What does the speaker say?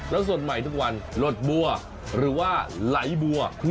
แล้วสดใหม่ทุกวันหลดบัวหรือว่าไหลบัว